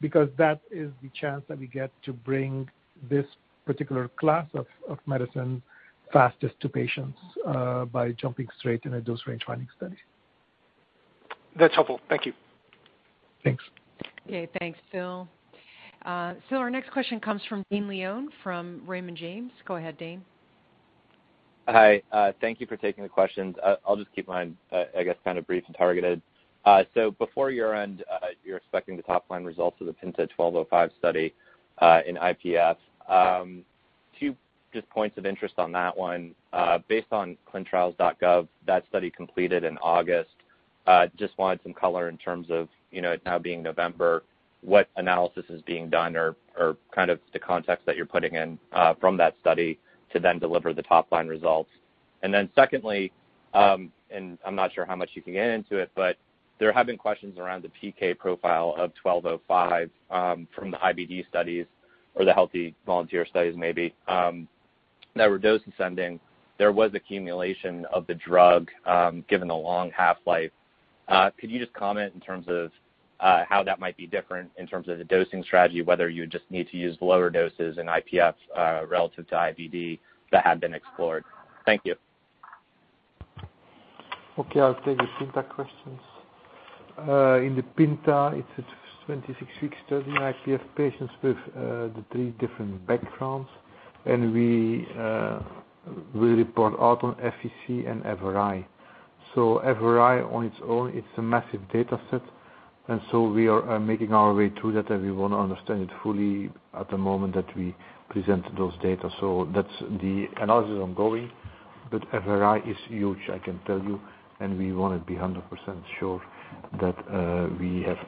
because that is the chance that we get to bring this particular class of medicine fastest to patients, by jumping straight in a dose range-finding study. That's helpful. Thank you. Thanks. Okay, thanks, Phil. So our next question comes from Dane Leone from Raymond James. Go ahead, Dane. Hi. Thank you for taking the questions. I'll just keep mine, I guess, kind of brief and targeted. Before year-end, you're expecting the top-line results of the PINTA-GLPG1205 study, in IPF. Two just points of interest on that one. Based on ClinicalTrials.gov, that study completed in August. Just wanted some color in terms of, it now being November, what analysis is being done or kind of the context that you're putting in from that study to then deliver the top-line results. Secondly, and I'm not sure how much you can get into it, but there have been questions around the PK profile of GLPG1205, from the IBD studies or the healthy volunteer studies maybe, that were dose ascending. There was accumulation of the drug, given the long half-life. Could you just comment in terms of how that might be different in terms of the dosing strategy, whether you just need to use lower doses in IPF, relative to IBD that had been explored? Thank you. Okay, I'll take the PINTA questions. In the PINTA, it's a 26-week study in IPF patients with the three different backgrounds, and we will report out on FVC and FRI. FRI on its own, it's a massive data set, and so we are making our way through that, and we want to understand it fully at the moment that we present those data. The analysis is ongoing. FVC is huge, I can tell you, and we want to be 100% sure that we have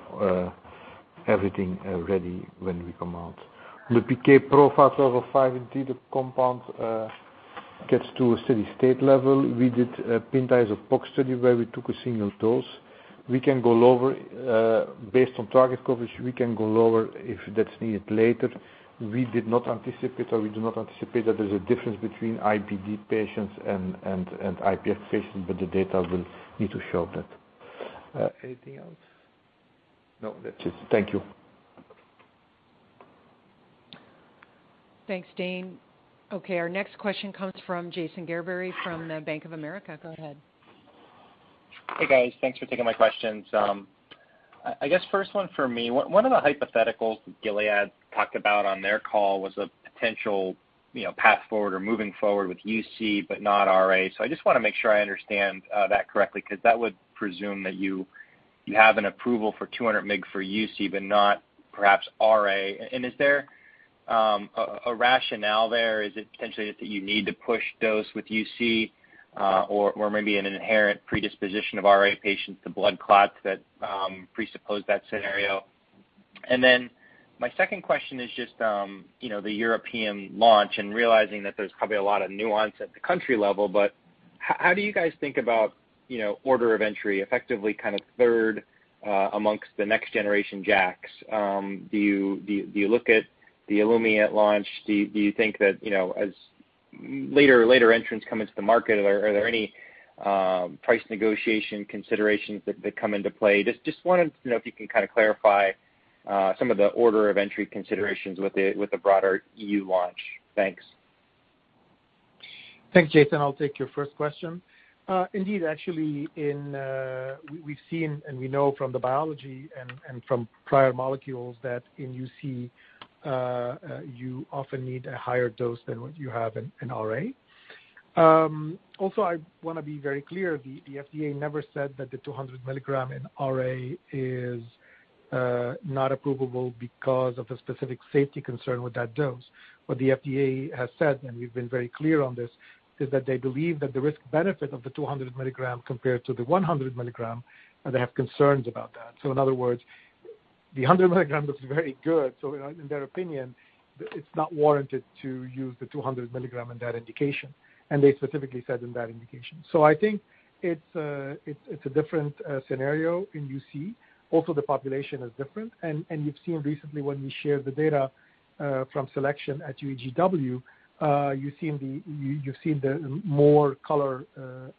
everything ready when we come out. The PK profile of GLPG1205, the compound gets to a steady state level. We did a PINTA study where we took a single dose. Based on target coverage, we can go lower if that's needed later. We do not anticipate that there's a difference between IBD patients and IPF patients, but the data will need to show that. Anything else? No, that's it. Thank you. Thanks, Dane. Okay, our next question comes from Jason Gerberry from Bank of America. Go ahead. Hey, guys. Thanks for taking my questions. I guess first one for me, one of the hypotheticals Gilead talked about on their call was a potential, path forward or moving forward with UC, but not RA. I just want to make sure I understand that correctly, because that would presume that you have an approval for 200 mg for UC, but not perhaps RA. Is there a rationale there? Is it potentially that you need to push dose with UC, or maybe an inherent predisposition of RA patients to blood clots that presuppose that scenario? My second question is just, the European launch and realizing that there's probably a lot of nuance at the country level, but how do you guys think about order of entry, effectively kind of third amongst the next generation JAKs? Do you look at the Olumiant launch? Do you think that, as later entrants come into the market, are there any price negotiation considerations that come into play? Just wanted to know if you can kind of clarify some of the order of entry considerations with the broader EU launch. Thanks. Thanks, Jason. I'll take your first question. Indeed, actually, we've seen and we know from the biology and from prior molecules that in UC, you often need a higher dose than what you have in RA. I want to be very clear, the FDA never said that the 200 mg in RA is not approvable because of a specific safety concern with that dose. What the FDA has said, and we've been very clear on this, is that they believe that the risk-benefit of the 200 mg compared to the 100 mg, and they have concerns about that. In other words, the 100 mg looks very good, so in their opinion, it's not warranted to use the 200 mg in that indication. They specifically said in that indication. I think it's a different scenario in UC. The population is different. You've seen recently when we shared the data from SELECTION at UEGW, you've seen more color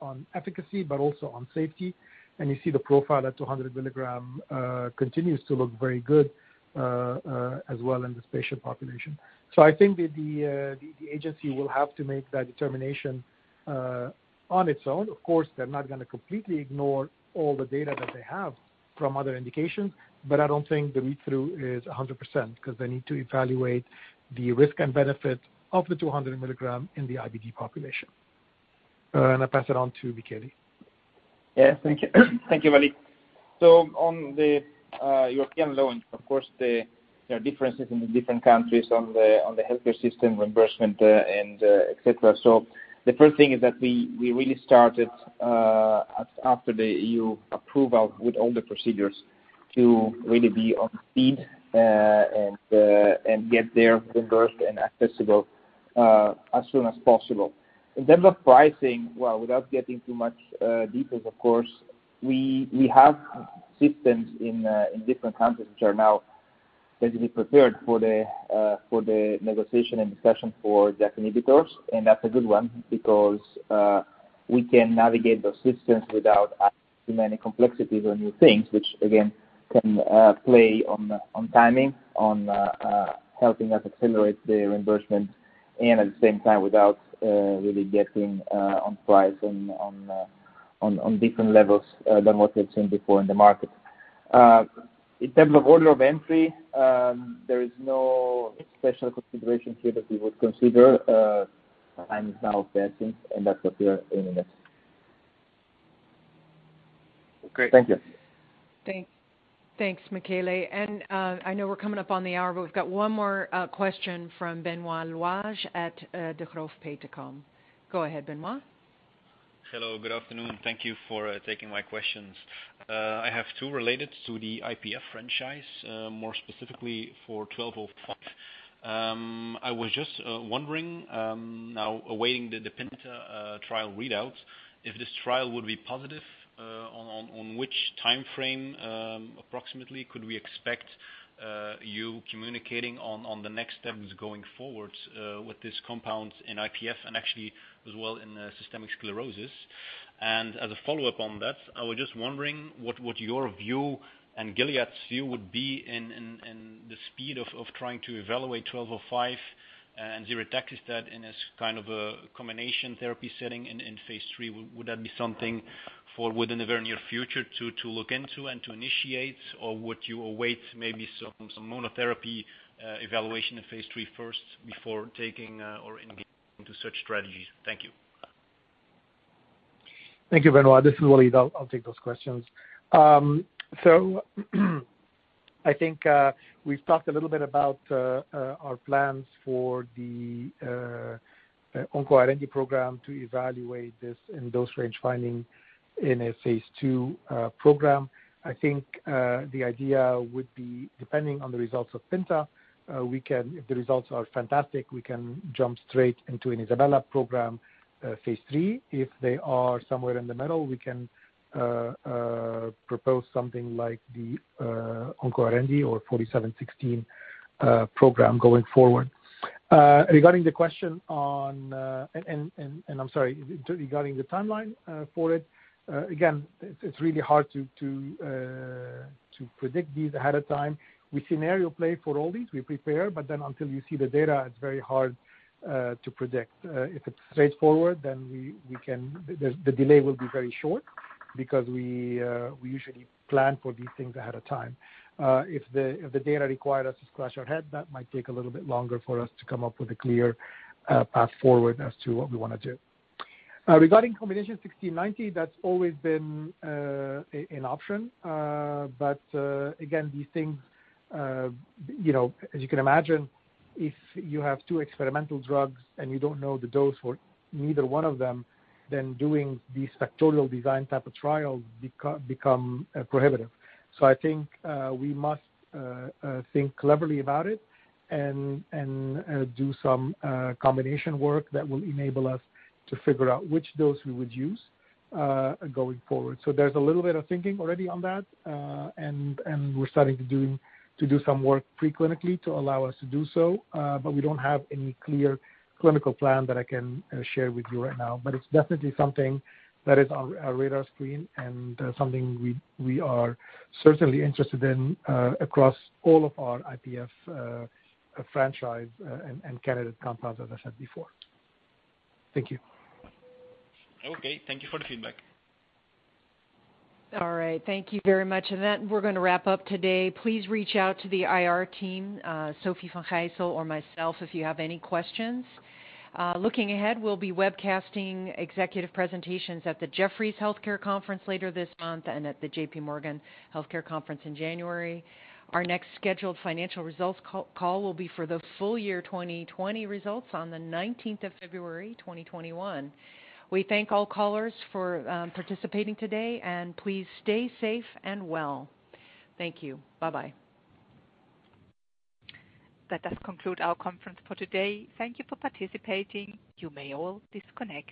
on efficacy, but also on safety. You see the profile at 200 mg continues to look very good as well in this patient population. I think that the agency will have to make that determination on its own. Of course, they're not going to completely ignore all the data that they have from other indications, but I don't think the read-through is 100%, because they need to evaluate the risk and benefit of the 200 mg in the IBD population. I'll pass it on to Michele. Yeah. Thank you, Walid. On the European launch, of course, there are differences in the different countries on the healthcare system, reimbursement, and et cetera. The first thing is that we really started after the EU approval with all the procedures to really be on speed, and get there reimbursed and accessible as soon as possible. In terms of pricing, well, without getting too much deeper, of course, we have systems in different countries which are now basically prepared for the negotiation and discussion for JAK inhibitors. That's a good one because we can navigate those systems without too many complexities or new things, which again, can play on timing, on helping us accelerate the reimbursement and at the same time without really getting on price on different levels than what we've seen before in the market. In terms of order of entry, there is no special consideration here that we would consider. Time is now passing and that's what we are aiming at. Great. Thank you. Thanks, Michele. I know we're coming up on the hour, but we've got one more question from Benoit Louage at Degroof Petercam. Go ahead, Benoit. Hello, good afternoon. Thank you for taking my questions. I have two related to the IPF franchise, more specifically for GLPG1205. I was just wondering, now awaiting the PINTA trial readout, if this trial would be positive, on which timeframe approximately could we expect you communicating on the next steps going forward with this compound in IPF and actually as well in systemic sclerosis. As a follow-up on that, I was just wondering what your view and Gilead's view would be in the speed of trying to evaluate GLPG1205 and ziritaxestat in as kind of a combination therapy setting in phase III. Would that be something for within the very near future to look into and to initiate? Would you await maybe some monotherapy evaluation in phase III first before taking or engaging into such strategies? Thank you. Thank you, Benoit. This is Walid. I'll take those questions. I think we've talked a little bit about our plans for the OncoArendi program to evaluate this in dose range finding in a phase II program. I think the idea would be, depending on the results of PINTA, if the results are fantastic, we can jump straight into an ISABELA program phase III. If they are somewhere in the middle, we can propose something like the OncoArendi or GLPG4716 program going forward. Regarding the timeline for it, again, it's really hard to predict these ahead of time. We scenario play for all these, we prepare, until you see the data, it's very hard to predict. If it's straightforward, the delay will be very short because we usually plan for these things ahead of time. If the data required us to scratch our head, that might take a little bit longer for us to come up with a clear path forward as to what we want to do. Regarding combination 1690, that is always been an option. Again, these things, as you can imagine, if you have two experimental drugs and you do not know the dose for neither one of them, then doing these factorial design type of trials become prohibitive. I think we must think cleverly about it and do some combination work that will enable us to figure out which dose we would use going forward. There is a little bit of thinking already on that, and we are starting to do some work pre-clinically to allow us to do so, but we do not have any clear clinical plan that I can share with you right now. It's definitely something that is on our radar screen and something we are certainly interested in across all of our IPF franchise and candidate compounds, as I said before. Thank you. Okay. Thank you for the feedback. All right. Thank you very much. Then we're going to wrap up today. Please reach out to the IR team, Sofie van Gijsel or myself, if you have any questions. Looking ahead, we'll be webcasting executive presentations at the Jefferies Healthcare Conference later this month and at the J.P. Morgan Healthcare Conference in January. Our next scheduled financial results call will be for the full year 2020 results on the 19th of February 2021. We thank all callers for participating today, and please stay safe and well. Thank you. Bye-bye. That does conclude our conference for today. Thank you for participating. You may all disconnect.